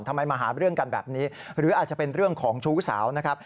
มาหาเรื่องกันแบบนี้หรืออาจจะเป็นเรื่องของชู้สาวนะครับ